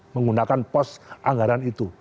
menggunakan pos anggaran itu